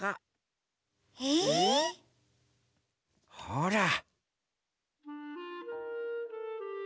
ほら。